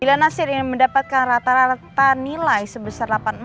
bila nasir ini mendapatkan rata rata nilai sebesar delapan puluh empat